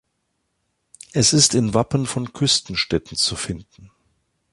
Es ist in Wappen von Küstenstädten zu finden.